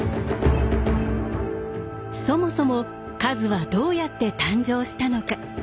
そもそも数はどうやって誕生したのか。